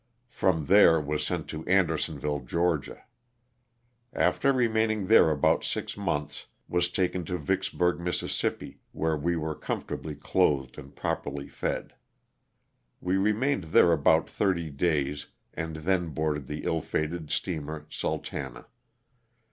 From there was sent to Andersonville, Ga. After remaining there about six months was taken to Vicks burg, Miss., where we were comfortably clothed and properly fed. We remained there about thirty days and then boarded the ill fated steamer " Sultana."